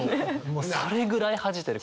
もうそれぐらい恥じてる。